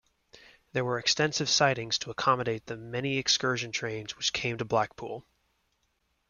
There were extensive sidings to accommodate the many excursion trains which came to Blackpool.